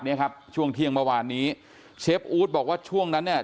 เนี้ยครับช่วงเที่ยงเมื่อวานนี้เชฟอู๊ดบอกว่าช่วงนั้นเนี่ย